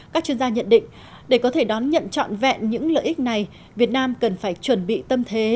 các chuyên gia nhận định để có thể đón nhận trọn vẹn những lợi ích này việt nam cần phải chuẩn bị tâm thế